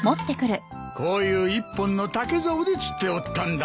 こういう一本の竹ざおで釣っておったんだ。